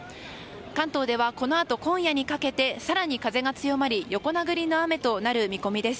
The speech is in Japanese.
関東ではこのあと今夜にかけて更に風が強まり横殴りの雨となる見込みです。